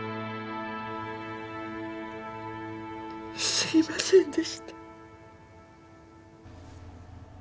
すみませんでした。